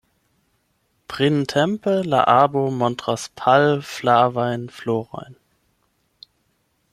Printempe la arbo montras pal-flavajn florojn.